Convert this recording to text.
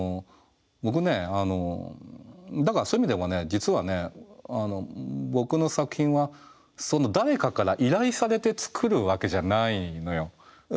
僕ねだからそういう意味ではね実はね僕の作品はそんな誰かから依頼されて作るわけじゃないのよ。